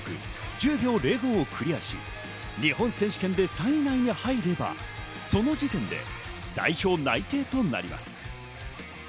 １０秒０５をクリアし、日本選手権で３位以内に入ればその時点で代表内定となります。